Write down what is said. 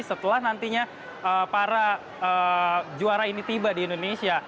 setelah nantinya para juara ini tiba di indonesia